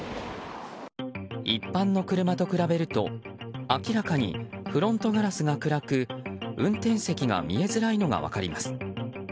一般の車と比べると明らかにフロントガラスが暗く運転席が見えづらいのが分かります。